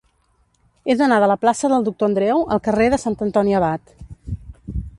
He d'anar de la plaça del Doctor Andreu al carrer de Sant Antoni Abat.